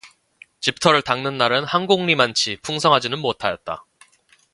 집터를 닦는 날은 한곡리만치 풍성하지는 못하였다.